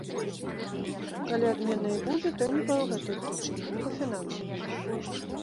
Калі адмена і будзе, то не па гэтай прычыне, не па фінансавай.